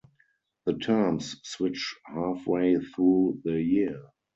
The terms switch halfway through the year.